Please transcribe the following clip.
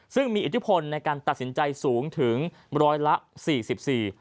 ซึ่งมีอิทธิพลในการตัดสินใจสูงถึง๑๔๔บาท